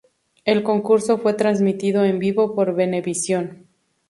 El concurso fue transmitido en vivo por Venevisión.